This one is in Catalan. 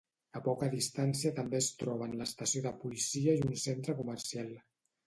A poca distància també es troben l'estació de policia i un centre comercial.